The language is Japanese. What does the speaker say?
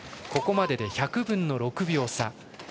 ここまでで１００分の６秒差。